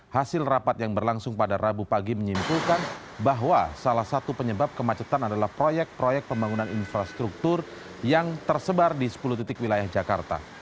hasil rapat yang berlangsung pada rabu pagi menyimpulkan bahwa salah satu penyebab kemacetan adalah proyek proyek pembangunan infrastruktur yang tersebar di sepuluh titik wilayah jakarta